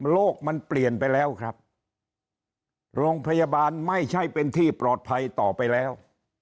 มันเปลี่ยนไปแล้วครับโรงพยาบาลไม่ใช่เป็นที่ปลอดภัยต่อไปแล้ว